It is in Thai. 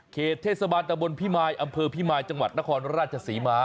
เหตุเทศบาลตะบนพิมายอำเภอพิมายจังหวัดนครราชศรีมา